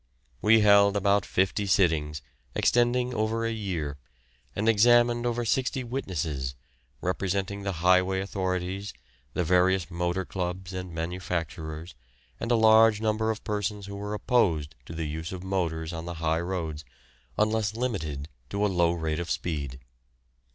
We held about fifty sittings, extending over a year, and examined over sixty witnesses, representing the Highway Authorities, the various motor clubs and manufacturers, and a large number of persons who were opposed to the use of motors on the high roads, unless limited to a low rate of speed.